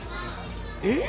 「えっ？」